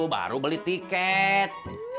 baru beli tiket